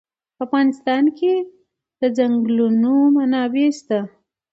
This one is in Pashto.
په افغانستان کې د چنګلونه منابع شته.